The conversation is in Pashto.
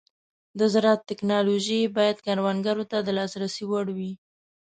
د زراعت ټيکنالوژي باید کروندګرو ته د لاسرسي وړ وي.